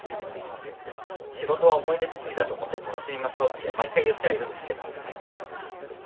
仕事は思い出作りだと思って楽しみましょうって毎回言ってはいるんですけど。